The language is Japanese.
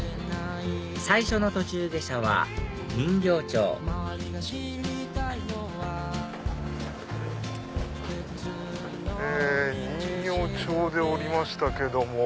最初の途中下車は人形町人形町で降りましたけども。